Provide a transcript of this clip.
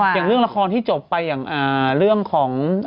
อย่างเรื่องละครที่จบไปอย่างเรื่องของ